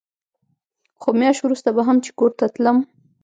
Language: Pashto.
خو مياشت وروسته به هم چې کور ته تلم.